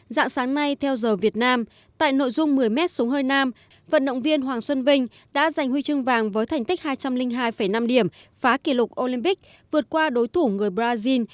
dạng sáng nay theo giờ việt nam tại nội dung một mươi m súng hơi nam vận động viên hoàng xuân vinh đã giành huy chương vàng với thành tích hai trăm linh hai năm điểm phá kỷ lục olympic vượt qua đối thủ người brazil